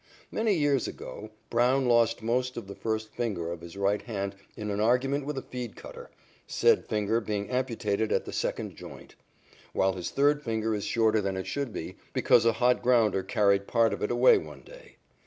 Many years ago, Brown lost most of the first finger of his right hand in an argument with a feed cutter, said finger being amputated at the second joint; while his third finger is shorter than it should be, because a hot grounder carried part of it away one day.